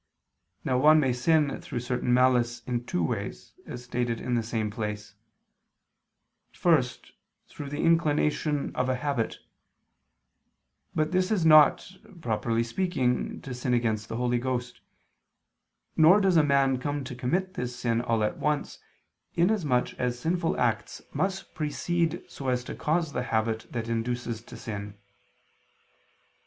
Now one may sin through certain malice in two ways, as stated in the same place: first, through the inclination of a habit; but this is not, properly speaking, to sin against the Holy Ghost, nor does a man come to commit this sin all at once, in as much as sinful acts must precede so as to cause the habit that induces to sin.